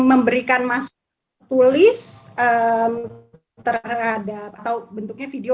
terhadap atau bentuknya video